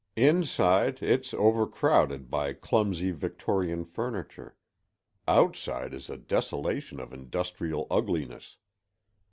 Inside, it's overcrowded by clumsy Victorian furniture; outside is a desolation of industrial ugliness.